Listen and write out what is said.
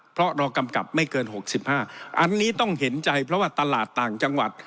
เพราะเรากำกับไม่เกิน๖๕อันนี้ต้องเห็นใจเพราะว่าตลาดต่างจังหวัด